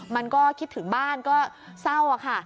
มันก็คิดถึงบ้านก็เศร้าค่ะ